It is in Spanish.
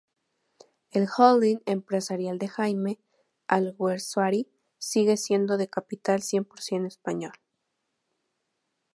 El holding empresarial de Jaime Alguersuari sigue siendo de capital cien por cien español.